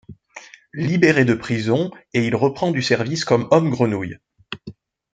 Libéré de prison et il reprend du service comme homme-grenouille.